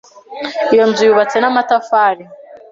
Iyo nzu yubatswe n'amatafari.